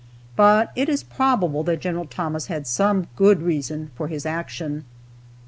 But it is probable that Gen. Thomas had some good reason for his action.